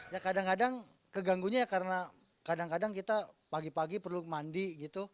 ya kadang kadang keganggunya ya karena kadang kadang kita pagi pagi perlu mandi gitu